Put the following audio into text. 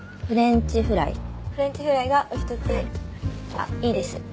あっいいです。